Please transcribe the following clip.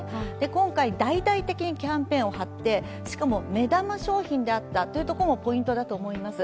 今回、大々的にキャンペーンを張って、しかも目玉商品であったところもポイントだと思います。